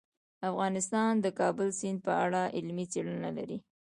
افغانستان د د کابل سیند په اړه علمي څېړنې لري.